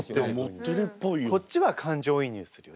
こっちは感情移入するよね。